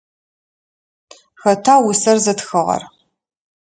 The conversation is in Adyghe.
Хэта усэр зытхыгъэр?